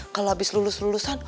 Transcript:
kalau habis lulus lulusan